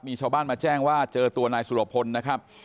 มีชาวบ้านมาแจ้งว่าเจอตัวนายสุรพลนะครับ